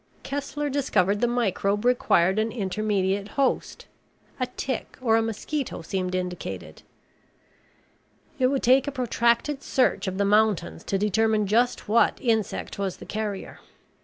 Kessler discovered the microbe required an intermediate host. A tick or a mosquito seemed indicated. It would take a protracted search of the mountains to determine just what insect was the carrier.